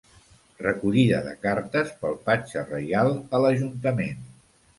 Recollida de cartes pel Patge Reial a l'ajuntament.